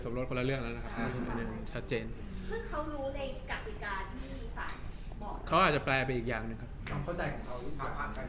แต่ก็คิดว่าสิทธิ์ปกครองลูกกับส่วนโรคคนละเรื่องนะนะครับ